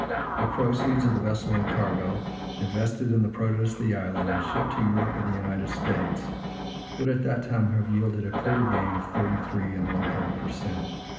The proceeds of vessel and cargo, invested in the produce of the island, and shipped to Europe or the United States, would, at that time, have yielded a clear gain of thirty three and one third per cent.